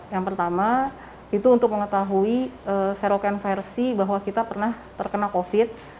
yang pertama itu untuk mengetahui serogen versi bahwa kita pernah terkena covid